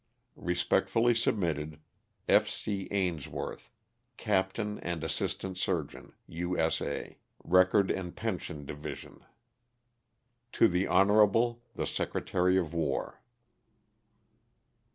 Respectfully submitted, F. C. AINSWORTH, Captain and Assistant Surgeon, U. S. A. Record and Pension Division. To the Honorable, the Secretary of War.